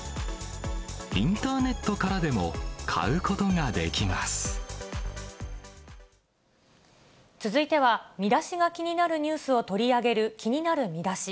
インターネットからでも買う続いては、ミダシが気になるニュースを取り上げる、気になるミダシ。